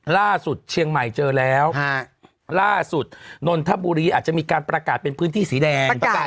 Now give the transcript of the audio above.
ล่าสุดเชียงใหม่เจอแล้วล่าสุดนนทบุรีอาจจะมีการประกาศเป็นพื้นที่สีแดง